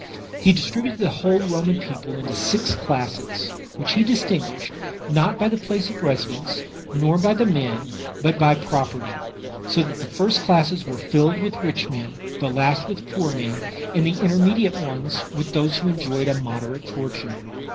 He distributed the whole Roman people into six classes, which he distinguished, not by the place of residence, nor by the men, but by property; so that the first classes were filled with rich men, the last with poor men, and the intermediate ones with those who enjoyed a moderate fortune.